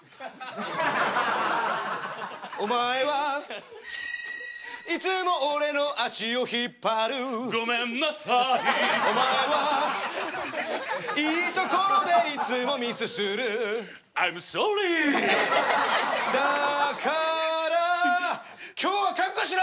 お前はいつも俺の足を引っ張るごめんなさいお前はいいところでいつもミスするアイムソーリーだから今日は覚悟しろ！